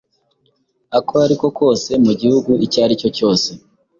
ako ari ko kose mugihugu icyo aricyo cyose